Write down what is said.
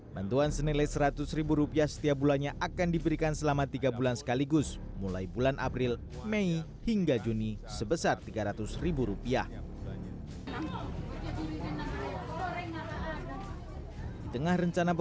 bantuan senilai rp seratus setiap bulannya akan diberikan selama tiga bulan sekaligus mulai bulan april mei hingga juni sebesar rp tiga ratus